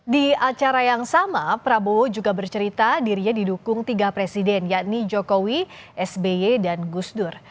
di acara yang sama prabowo juga bercerita dirinya didukung tiga presiden yakni jokowi sby dan gusdur